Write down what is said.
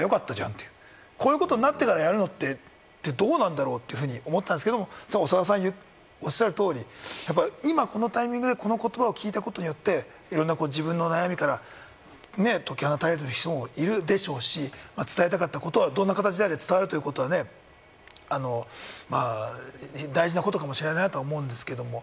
って、こういうことになってからやるのって、どうなんだろう？というふうに思ったんですけれども、長田さんがおっしゃる通り、やっぱり今、このタイミングでこの言葉を聞いたことによって、いろんな自分の悩みから解き放たれる人もいるでしょうし、伝えたかったことは、どんな形であれ伝わるということは、大事なことかもしれないなとは思うんですけれども。